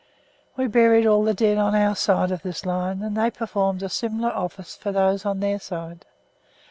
We buried all the dead on our side of this line and they performed a similar office for those on their side.